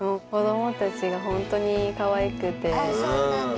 あそうなんだ。